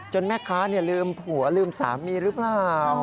แม่ค้าลืมผัวลืมสามีหรือเปล่า